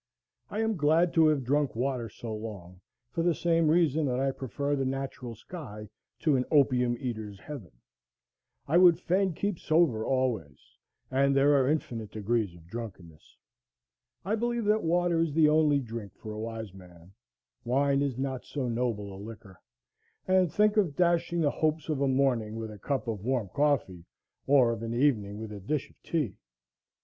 I am glad to have drunk water so long, for the same reason that I prefer the natural sky to an opium eater's heaven. I would fain keep sober always; and there are infinite degrees of drunkenness. I believe that water is the only drink for a wise man; wine is not so noble a liquor; and think of dashing the hopes of a morning with a cup of warm coffee, or of an evening with a dish of tea!